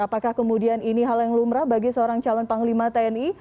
apakah kemudian ini hal yang lumrah bagi seorang calon panglima tni